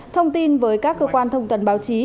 thông tin với các cơ quan thông tần báo chí